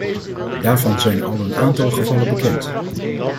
Daarvan zijn al een aantal gevallen bekend.